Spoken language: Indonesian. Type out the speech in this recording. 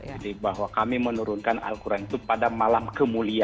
jadi bahwa kami menurunkan al quran itu pada malam kemuliaan